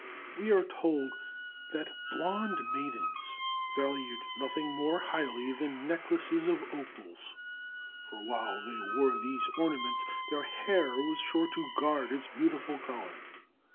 We are told that blond maidens valued nothing more highly than necklaces of opals, for while they wore these ornaments their hair was sure to guard its beautiful color.